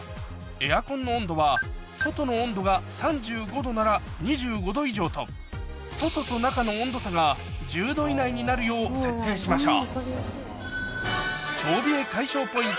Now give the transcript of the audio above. エアコンの温度は外の温度が３５℃なら２５℃以上と外と中の温度差が１０℃以内になるよう設定しましょう